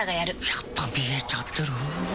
やっぱ見えちゃてる？